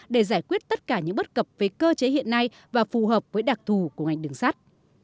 để giải quyết tất cả những bất cập về cơ chế hiện nay và phù hợp với đặc thù của ngành đường sắt